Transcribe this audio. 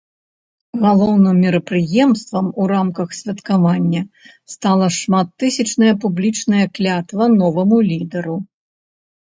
Галоўным мерапрыемствам у рамках святкавання стала шматтысячная публічная клятва новаму лідару.